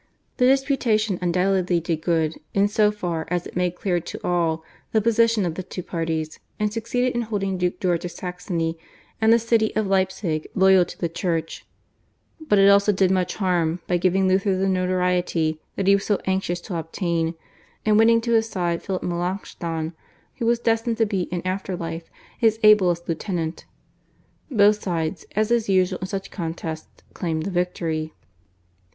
The disputation undoubtedly did good in so far as it made clear to all the position of the two parties, and succeeded in holding Duke George of Saxony and the city of Leipzig loyal to the Church; but it also did much harm by giving Luther the notoriety that he was so anxious to obtain, and by winning to his side Philip Melanchthon, who was destined to be in after life his ablest lieutenant. Both sides, as is usual in such contests, claimed the victory.